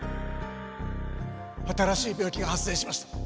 新しい病気が発生しました。